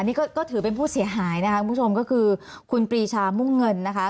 นี่ก็ถือเป็นผู้เสียหายนะคะคุณผู้ชมก็คือคุณปรีชามุ่งเงินนะคะ